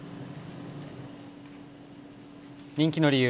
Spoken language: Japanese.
人気の理由。